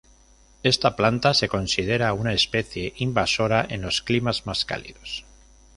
Esta planta se considera una especie invasora en los climas más cálidos.